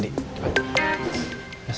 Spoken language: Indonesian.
terus saya tidur